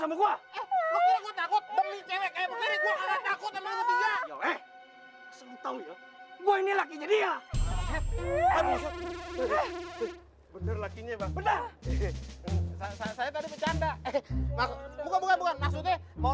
bener bener lakinya banget saya tadi bercanda bukan bukan maksudnya mau